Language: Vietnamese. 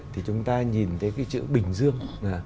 thì chúng ta nhìn thấy chữ bình dương